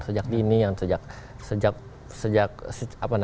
sejak dini yang sejak sejak